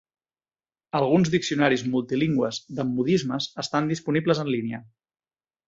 Alguns diccionaris multilingües de modismes estan disponibles en línia.